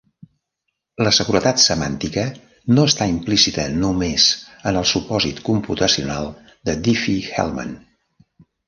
La seguretat semàntica no està implícita només en el supòsit computacional de Diffie-Hellman.